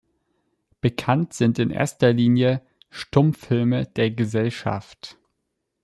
Bekannt sind in erster Linie Stummfilme der Gesellschaft.